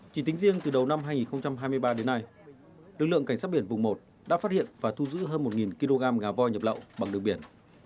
chỉ tính riêng từ đầu năm hai nghìn hai mươi ba đến nay lực lượng cảnh sát biển vùng một đã phát hiện và thu giữ hơn một kg gà voi nhập lậu bằng đường biển